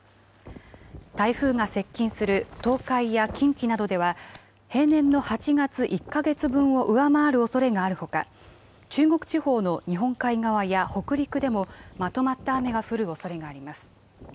台風が接近する東海や近畿などでは平年の８月１か月分を上回るおそれがあるほか中国地方の日本海側や北陸でもまとまった雨が降るおそれがあります。